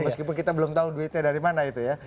meskipun kita belum tahu duitnya dari mana itu ya